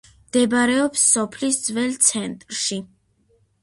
მდებარეობს სოფლის ძველ ცენტრში.